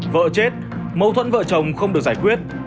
vợ chết mâu thuẫn vợ chồng không được giải quyết